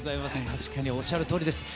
確かにおっしゃるとおりです。